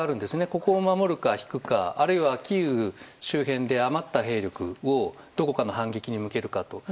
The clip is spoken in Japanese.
ここを守るか、引くかあるいはキーウ周辺で余った兵力をどこかの反撃に向けるかとか。